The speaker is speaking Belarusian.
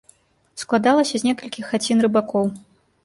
Складалася з некалькіх хацін рыбакоў.